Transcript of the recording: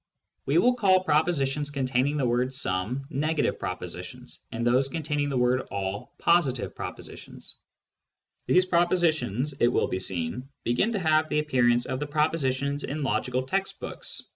We will call propositions containing the word " some " negative general propositions, and those containing the word "all" positive general propositions. These pro positions, it will be seen, begin to have the appearance of the propositions in logical text books.